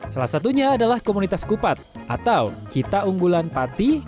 salah satunya adalah komunitas kupat atau kita unggulan pati